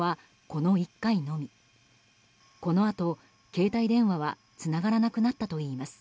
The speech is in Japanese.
このあと携帯電話はつながらなくなったといいます。